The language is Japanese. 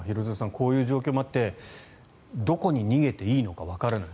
こういう状況もあってどこに逃げていいのかわからない。